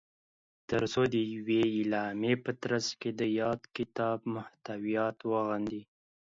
تر څو د یوې اعلامیې په ترځ کې د یاد کتاب محتویات وغندي